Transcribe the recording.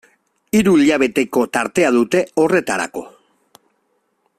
Hiru hilabeteko tartea dute horretarako.